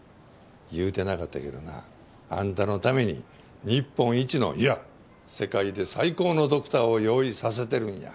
言うてなかったけどなあんたのために日本一のいや世界で最高のドクターを用意させてるんや。